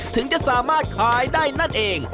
ถึงจะสามารถขายได้นั่นเอง